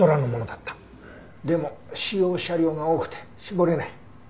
でも使用車両が多くて絞れない。